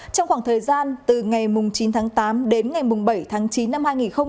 trong khoảng thời gian từ ngày chín tháng tám đến ngày bảy tháng chín năm hai nghìn một mươi chín